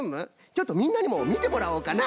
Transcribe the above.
ちょっとみんなにもみてもらおうかな。